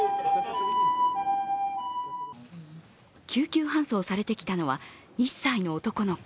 救急搬送されてきたのは１歳の男の子。